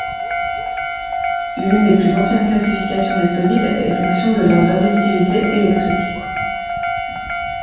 L'une des plus anciennes classification des solides est fonction de leur résistivité électrique.